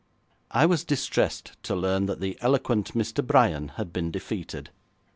I was distressed to learn that the eloquent Mr. Bryan had been defeated.